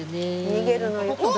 逃げるのよおっ！